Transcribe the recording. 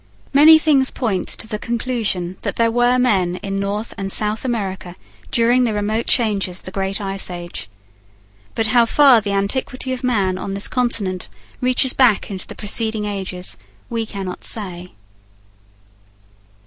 Many things point to the conclusion that there were men in North and South America during the remote changes of the Great Ice Age. But how far the antiquity of man on this continent reaches back into the preceding ages we cannot say.